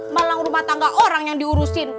malang rumah tangga orang yang diurusin